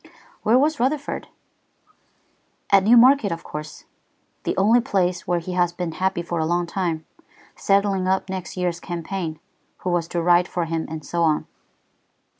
"Where was Rutherford?" "At Newmarket, of course, the only place where he has been happy for a long time, settling up next year's campaign, who was to ride for him, and so on."